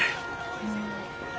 うん。